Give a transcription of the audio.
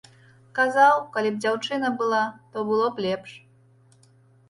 Казаў, калі б дзяўчына была, то было б лепш.